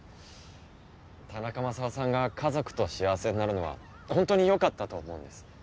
田中マサオさんが家族と幸せになるのは本当によかったと思うんです。